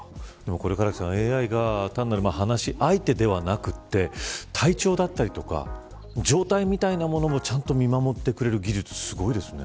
唐木さん、ＡＩが単なる話し相手ではなくて体調だったりとか状態みたいなものもちゃんと見守ってくれる技術すごいですね。